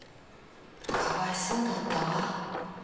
かわいそうだったわ。